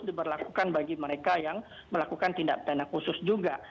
diberlakukan bagi mereka yang melakukan tindak pidana khusus juga